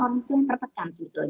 orang tua yang terpekan sebetulnya